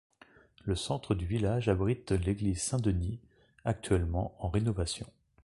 Le centre du village abrite l'église Saint-Denis actuellement en rénovation.